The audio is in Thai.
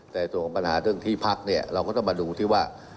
แต่ส่วนของปัญหาเรื่องที่พักเนี่ยเราก็ต้องมาดูที่ว่า